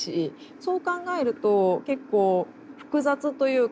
そう考えると結構複雑というか。